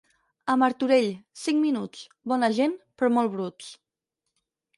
A Martorell, cinc minuts, bona gent, però molt bruts.